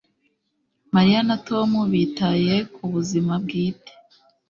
Mariya na Tom bitaye ku buzima bwite